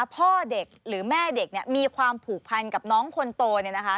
พ่อเด็กหรือแม่เด็กเนี่ยมีความผูกพันกับน้องคนโตเนี่ยนะคะ